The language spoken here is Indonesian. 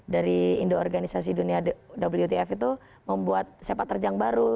dari indo organisasi dunia wtf itu membuat sepat terjang baru